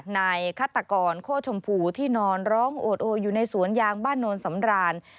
นายฆาตกรโค้ชมพูที่นอนร้องโอดโออยู่ในสวนยางบ้านโนนสำราน